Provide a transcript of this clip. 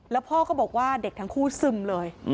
แล้วพ่อก็บอกว่าเด็กทั้งคู่ซึมเลย